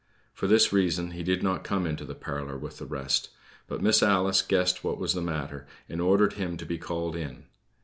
For this reason he did not come into the parlor with the rest; but Miss Alice guessed what was the matter, and ordered him to be called in.